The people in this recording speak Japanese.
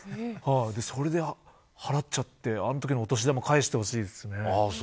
それで払っちゃってあのときのお年玉返してほしいです。